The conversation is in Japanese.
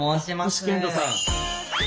星賢人さん。